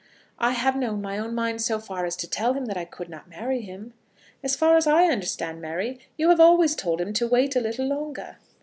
"I have known my own mind so far as to tell him that I could not marry him." "As far as I understand, Mary, you have always told him to wait a little longer."